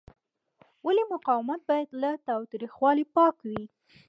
ولې مقاومت باید له تاوتریخوالي پاک وي؟